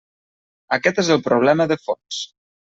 Aquest és el problema de fons.